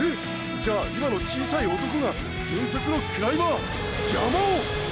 ⁉じゃあ今の小さい男が伝説のクライマー“山王”！！